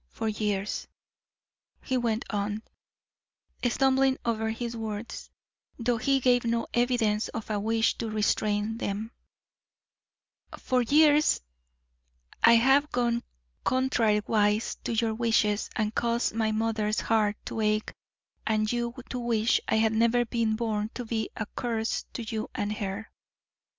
For years" he went on, stumbling over his words, though he gave no evidence of a wish to restrain them "for years I have gone contrariwise to your wishes and caused my mother's heart to ache and you to wish I had never been born to be a curse to you and her."